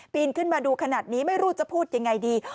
นขึ้นมาดูขนาดนี้ไม่รู้จะพูดยังไงดี